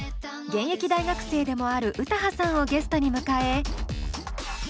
現役大学生でもある詩羽さんをゲストに迎え。